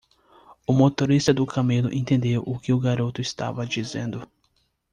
O motorista do camelo entendeu o que o garoto estava dizendo.